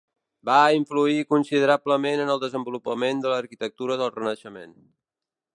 Va influir considerablement en el desenvolupament de l'arquitectura del Renaixement.